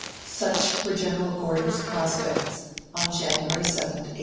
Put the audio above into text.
Such were General Gordon's prospects on January 7th, 1884.